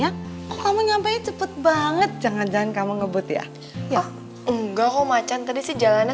kamu nyampe cepet banget jangan jangan kamu ngebut ya enggak om macan tadi sih jalannya